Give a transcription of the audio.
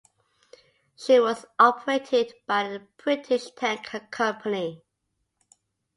She was operated by the British Tanker Company.